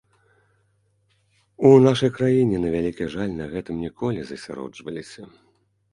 У нашай краіне, на вялікі жаль, на гэтым ніколі засяроджваліся.